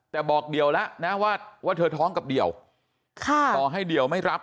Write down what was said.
แต่บอกเดี่ยวแล้วนะว่าเธอท้องกับเดี่ยวต่อให้เดี่ยวไม่รับ